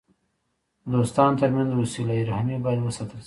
د دوستانو ترمنځ وسیله رحمي باید وساتل سي.